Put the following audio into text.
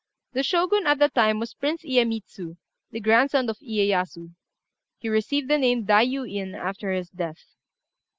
The Shogun at that time was Prince Iyémitsu, the grandson of Iyéyasu. He received the name of Dai yu In after his death.